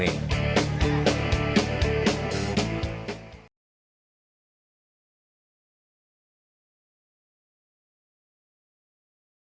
dan ini adalah perkembangan pemain indonesia yang pernah berkesempatan menimba ilmu di eropa bersama espanol